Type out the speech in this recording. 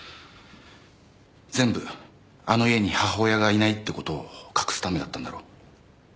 全部あの家に母親がいないって事を隠すためだったんだろ？